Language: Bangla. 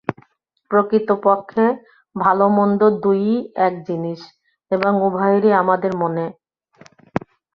প্রকৃতপক্ষে ভাল-মন্দ দুই-ই এক জিনিষ এবং উভয়েই আমাদের মনে।